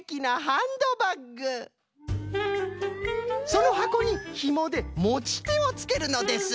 そのはこにひもでもちてをつけるのです。